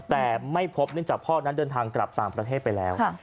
แต่ไม่พบเนื่องจากพ่อนั้นเดินทางกลับต่างประเทศไปแล้ว